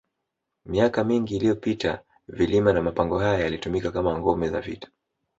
Miaka mingi iliyopita vilima na mapango haya yalitumika kama ngome ya vita